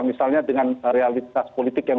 misalnya dengan realitas politik yang